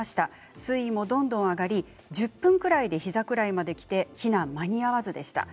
水位も上がり１０分くらいで膝くらいまできて避難が間に合いませんでした。